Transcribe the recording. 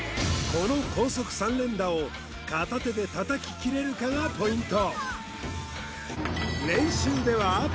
この高速３連打を片手で叩ききれるかがポイント